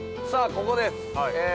ここです。